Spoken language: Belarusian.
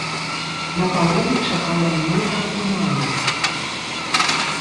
На паром чакала многа фурманак.